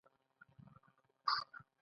ایا زه باید په فرش ویده شم؟